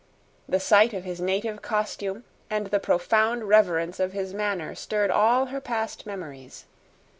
The sight of his native costume and the profound reverence of his manner stirred all her past memories.